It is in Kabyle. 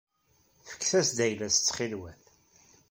Fket-as-d ayla-as ttxil-wet.